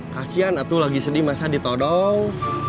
kasian atau lagi sedih masa ditodong